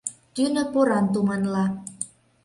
Тӱнӧ поран туманла.